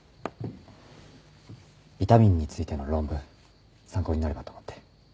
ビタミンについての論文参考になればと思って。